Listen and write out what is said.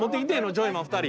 ジョイマン２人。